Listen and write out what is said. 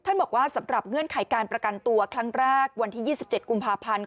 บอกว่าสำหรับเงื่อนไขการประกันตัวครั้งแรกวันที่๒๗กุมภาพันธ์